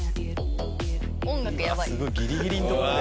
すごいギリギリのところで。